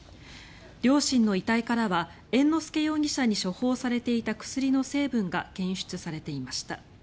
両親の遺体からは猿之助容疑者に処方されていた薬の成分が検出されていました。